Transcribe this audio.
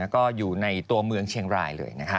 ก็อยู่ในตัวเมืองเชียงรายเลยนะคะ